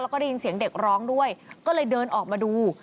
แล้วก็ได้ยินเสียงเด็กร้องด้วยก็เลยเดินออกมาดู